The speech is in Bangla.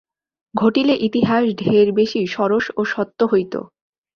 ঘটিলে ইতিহাস ঢের বেশি সরস ও সত্য হইত।